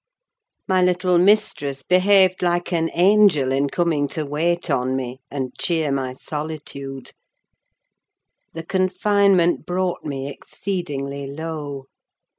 My little mistress behaved like an angel in coming to wait on me, and cheer my solitude; the confinement brought me exceedingly low.